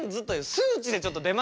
数値で！？